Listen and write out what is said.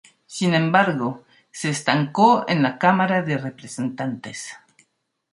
Sin embargo, se estancó en la Cámara de Representantes.